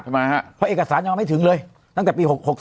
เพราะเอกสารยังไม่ถึงเลยตั้งแต่ปี๑๙๖๔